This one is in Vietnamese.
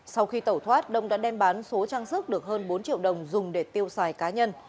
sau khi tẩu thoát đông đã đem bán số trang sức được hơn bốn triệu đồng dùng để tiêu xài cá nhân